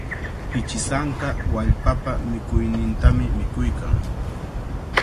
Pichisanka wallpapa mikuynintami mikuykan.